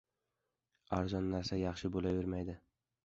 • Arzon narsa yaxshi bo‘lavermaydi.